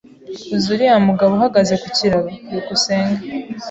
Uzi uriya mugabo uhagaze ku kiraro? byukusenge